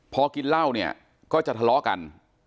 พอกินเหล้าก็จะทะเลาะกัน